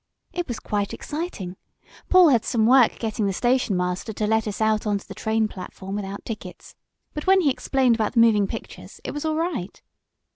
"It was quite exciting. Paul had some work getting the station master to let us out on the train platform without tickets. But when he explained about the moving pictures, it was all right.